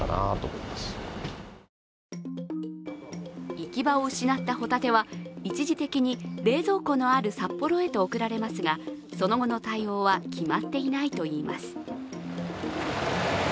行き場を失ったホタテは一時的に冷蔵庫のある札幌へと送られますが、その後の対応は決まっていないといいます。